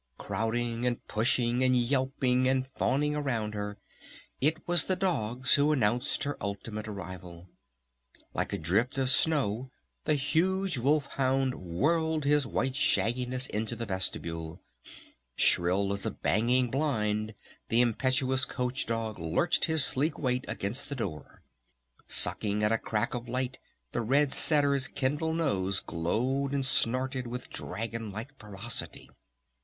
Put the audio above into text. Crowding and pushing and yelping and fawning around her, it was the dogs who announced her ultimate arrival. Like a drift of snow the huge wolf hound whirled his white shagginess into the vestibule. Shrill as a banging blind the impetuous coach dog lurched his sleek weight against the door. Sucking at a crack of light the red setter's kindled nose glowed and snorted with dragonlike ferocity.